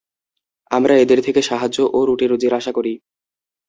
আমরা এদের থেকে সাহায্য ও রুটি-রুজির আশা করি।